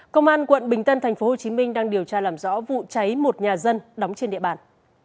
công an quận bình tân tp hcm đang điều tra làm rõ vụ cháy một nhà dân đóng trên địa bàn